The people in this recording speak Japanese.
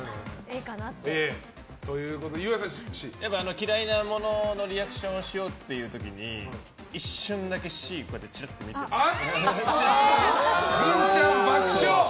嫌いなもののリアクションをしようという時に一瞬だけＣをちらっと見てた。